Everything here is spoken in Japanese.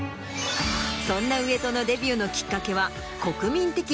そんな上戸のデビューのきっかけは。